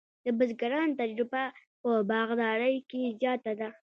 د بزګرانو تجربه په باغدارۍ کې زیاته ده.